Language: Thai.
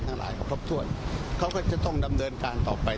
ทั้งหลายพร็อมทวดเขาก็จะต้องดำเดินการต่อไป